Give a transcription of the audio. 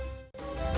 sampai jumpa lagi